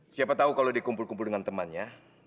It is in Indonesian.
siapa tau kalau dikumpul kumpul dengan temannya